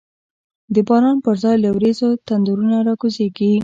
د باران پر ځای له وریځو، تندرونه راکوزیږی